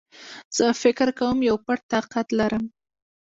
زه فکر کوم يو پټ طاقت لرم